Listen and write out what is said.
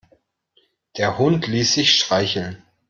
Der Hund ließ sich streicheln.